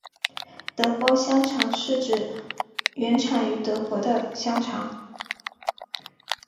德国香肠是指原产于德国的香肠。